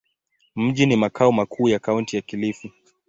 Mji ni makao makuu ya Kaunti ya Kilifi.